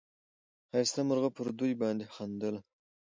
ښایسته مرغه پر دوی باندي خندله